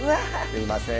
すいません。